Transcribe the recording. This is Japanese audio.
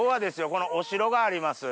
このお城があります。